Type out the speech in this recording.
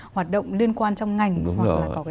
hoạt động liên quan trong ngành hoặc là